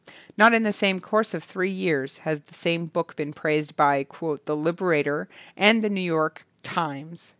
Not in the course of three years has the same book been praised by "The Liberator" and the New York "Times".